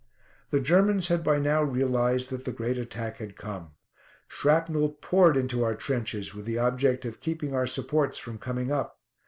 The Germans had by now realised that the great attack had come. Shrapnel poured into our trenches with the object of keeping our supports from coming up.